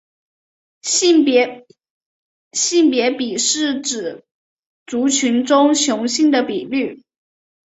性别比是指族群中雄性的比率。